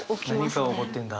何かが起こってんだ。